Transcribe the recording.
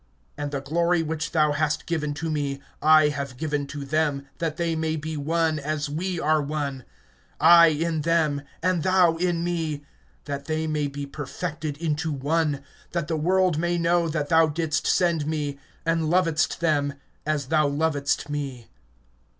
(22)And the glory which thou hast given to me I have given to them, that they may be one, as we are one; (23)I in them, and thou in me, that they may be perfected into one; that the world may know that thou didst send me, and lovedst them as thou lovedst me.